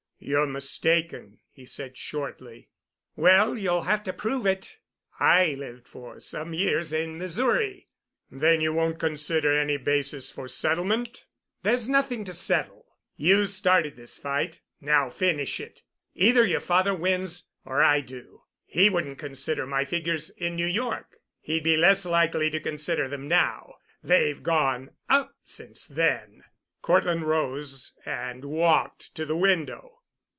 "You're mistaken," he said shortly. "Well, you'll have to prove it. I lived for some years in Missouri." "Then you won't consider any basis for settlement?" "There's nothing to settle. You started this fight. Now finish it. Either your father wins—or I do. He wouldn't consider my figures in New York. He'd be less likely to consider them now. They've gone up since then." Cortland rose and walked to the window.